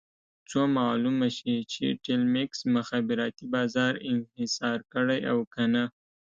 څو معلومه شي چې ټیلمکس مخابراتي بازار انحصار کړی او که نه.